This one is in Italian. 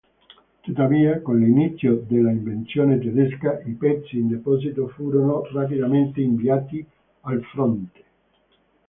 Tuttavia, con l'inizio dell'invazione tedesca, i pezzi in deposito furono rapidamente inviati al fronte.